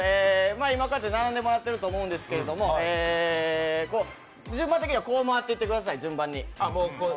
今、こうやって並んでもらってると思うんですけど順番的には、こう回っていってください。